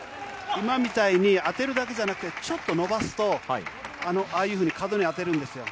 今みたいに当てるだけじゃなくて、ちょっと伸ばすとああいうふうに角に当てるんですよ。